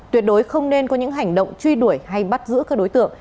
tuyệt đối không nên có những hành động truy đuổi hay bắt giữ các đối tượng